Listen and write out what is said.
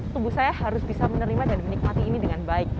tubuh saya harus bisa menerima dan menikmati ini dengan baik